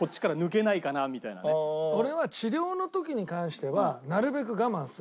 俺は治療の時に関してはなるべく我慢する。